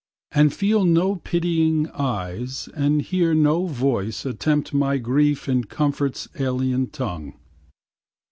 And feel no pitying eyes, and hear no voice Attempt my grief in comfort's alien tongue.